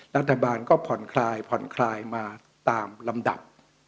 รัฐบาลก็ผ่อนคลายผ่อนคลายมาตามลำดับ